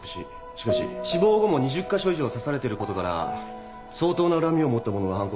しかし死亡後も２０カ所以上刺されてることから相当な恨みを持った者の犯行だと思われます。